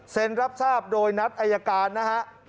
เซ็นรับทราบโดยนัดอายการนะครับ